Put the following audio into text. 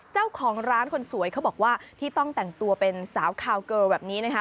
เจ้าของร้านคนสวยเขาบอกว่าที่ต้องแต่งตัวเป็นสาวคาวเกิลแบบนี้นะคะ